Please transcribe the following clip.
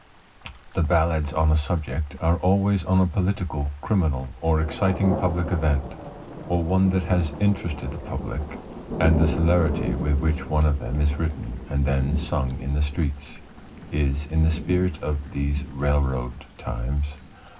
The "Ballads on a Subject" are always on a political, criminal, or exciting public event, or one that has interested the public, and the celerity with which one of them is written, and then sung in the streets, is in the spirit of "these railroad times."